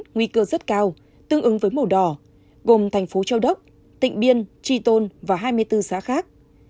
nguy cơ rất cao tương ứng với màu đỏ gồm thành phố châu đốc tỉnh biên tri tôn và hai mươi bốn xã khác